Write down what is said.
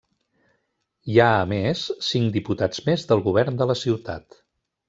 Hi ha, a més, cinc diputats més del govern de la ciutat.